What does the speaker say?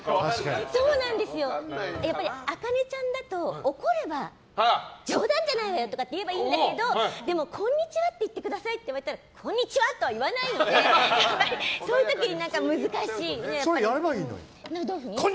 あかねちゃんだと怒れば冗談じゃないわよ！とかって言えばいいんだけどでもこんにちはって言ってくださいって言われたらこんにちは！とは言わないのでやればいいのに。